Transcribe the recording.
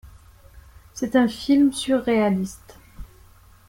C'est un film surréaliste.